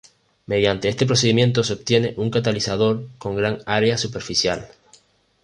Mediante este procedimiento se obtiene un catalizador con gran área superficial.